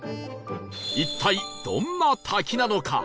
一体どんな滝なのか？